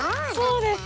そうです。